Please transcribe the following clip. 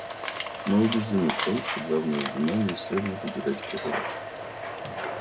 Мы убеждены в том, что главное внимание следует уделять профилактике.